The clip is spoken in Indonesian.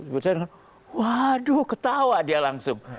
menurut saya waduh ketawa dia langsung